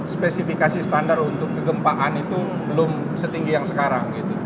spesifikasi standar untuk kegempaan itu belum setinggi yang sekarang